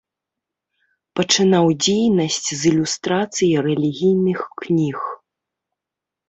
Пачынаў дзейнасць з ілюстрацый рэлігійных кніг.